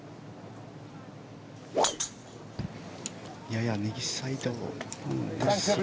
やや右サイドですが。